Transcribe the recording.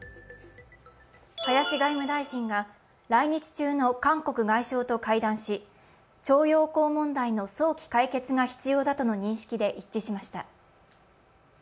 林外務大臣が来日中の韓国外相と会談し徴用工問題の早期解決が必要だとの認識で一致しました。